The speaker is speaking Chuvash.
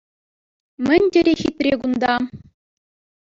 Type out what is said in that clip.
Мӗн тери хитре кунта!